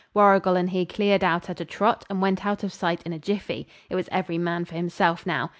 Warrigal and he cleared out at a trot, and went out of sight in a jiffy. It was every man for himself now.